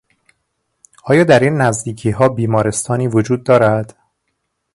آیا در این نزدیکیها بیمارستانی وجود دارد؟